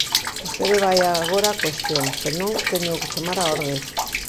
Vostede vaia agora á cuestión, se non, téñoo que chamar á orde.